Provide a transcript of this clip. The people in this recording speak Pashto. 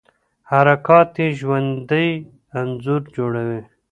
حرکات یې ژوندی انځور جوړوي.